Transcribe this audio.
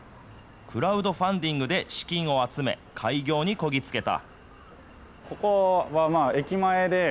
クラウドファンディングで資金を集め、開業にこぎ着けた。